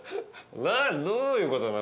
どういうことなの？